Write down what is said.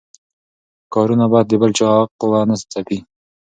کارونه باید د بل چا حق ونه ځپي.